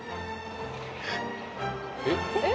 「えっ？」